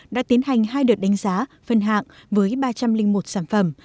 đã tiến hành hai đợt đánh giá phân hạng với ba trăm linh một sản phẩm